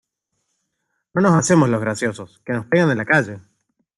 No nos hacemos los graciosos, que nos pegan en la calle.